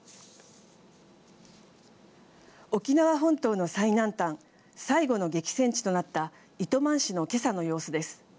沖縄本島の最南端最後の激戦地となった糸満市の今朝の様子です。